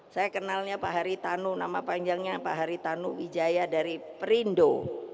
saya kenalnya pak hari tanu nama panjangnya pak hari tanu wijaya dari perindo